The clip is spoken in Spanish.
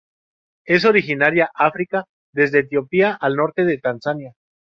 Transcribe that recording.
Es originaria África, desde Etiopía al norte de Tanzania.